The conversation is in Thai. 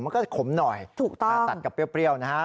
มันก็จะขมหน่อยถ้าตัดกับเปรี้ยวนะครับ